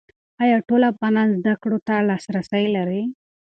ایا ټول افغانان زده کړو ته لاسرسی لري؟